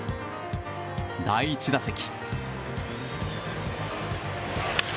第１打席。